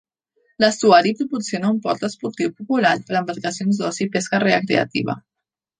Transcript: L'estuari proporciona un port esportiu popular per a embarcacions d'oci i pesca recreativa.